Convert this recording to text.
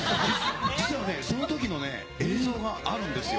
実はね、そのときの映像があるんですよ。